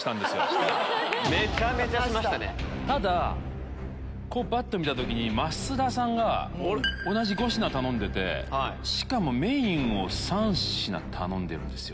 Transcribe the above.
ただばっと見た時に増田さんが同じ５品頼んでて。しかもメインを３品頼んでるんですよ。